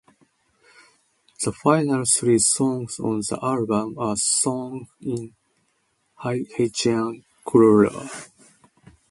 The final three songs on the album are sung in Haitian Creole.